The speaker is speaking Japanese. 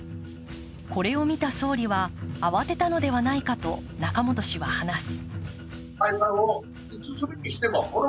これを見た総理は、慌てたのではないかと中本氏は話す。